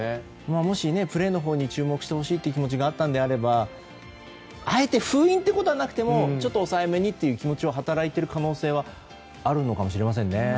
もし、プレーのほうに注目してほしいという気持ちがあったのであればあえて封印ということではなくて抑えめにという気持ちは働いている可能性はあるのかもしれませんね。